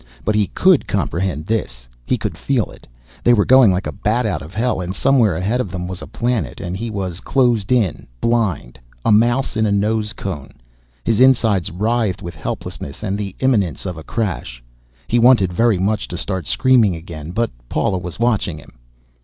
But he could comprehend this. He could feel it. They were going like a bat out of hell, and somewhere ahead of them was a planet, and he was closed in, blind, a mouse in a nose cone. His insides writhed with helplessness and the imminence of a crash. He wanted very much to start screaming again, but Paula was watching him.